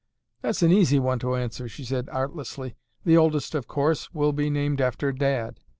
"That's an easy one to answer," she said artlessly. "The oldest, of course, will be named after Dad.